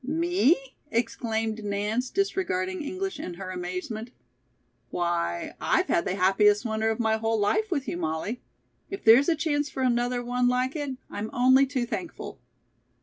"Me?" exclaimed Nance, disregarding English in her amazement. "Why, I've had the happiest winter of my whole life with you, Molly. If there's a chance for another one like it, I'm only too thankful."